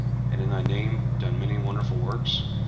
and in thy name done many wonderful works?